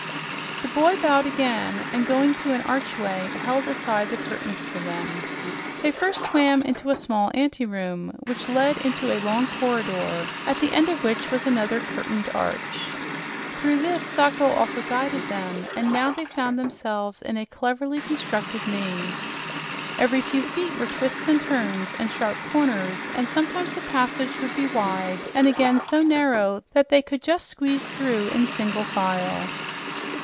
The boy bowed again, and going to an archway, held aside the curtains for them. They first swam into a small anteroom which led into a long corridor, at the end of which was another curtained arch. Through this Sacho also guided them, and now they found themselves in a cleverly constructed maze. Every few feet were twists and turns and sharp corners, and sometimes the passage would be wide, and again so narrow that they could just squeeze through in single file.